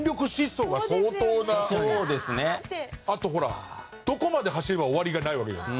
あと「どこまで走れば終わり」がないわけじゃない。